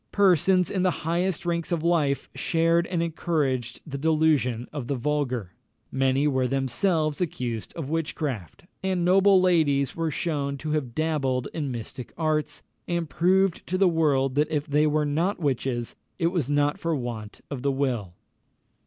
Persons in the highest ranks of life shared and encouraged the delusion of the vulgar. Many were themselves accused of witchcraft; and noble ladies were shewn to have dabbled in mystic arts, and proved to the world that if they were not witches, it was not for want of the will.